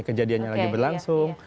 kejadiannya lagi berlangsung